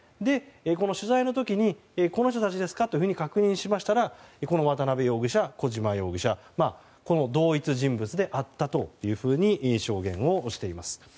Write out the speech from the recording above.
取材の時にこの人たちですかと確認しましたら渡邉容疑者、小島容疑者と同一人物であったと証言をしています。